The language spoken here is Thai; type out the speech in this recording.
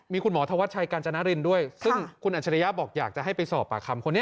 มีคุณหมอธวัชชัยกาญจนรินด้วยซึ่งคุณอัจฉริยะบอกอยากจะให้ไปสอบปากคำคนนี้